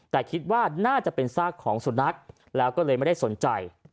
แต่คิดว่าน่าจะเป็นซากของสุนัขแล้วก็เลยไม่ได้สนใจ